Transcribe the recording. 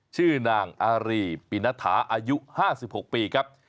ชื่อนางอารีปินณฐาอายุ๕๖ปีครับ